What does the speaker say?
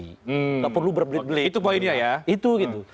tidak perlu berbelit belit itu bolehnya ya itu